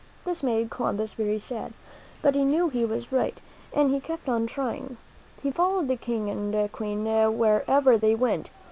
This made Columbus very sad. But he knew that he was right, and he kept on trying. He followed the King and Queen wherever they went.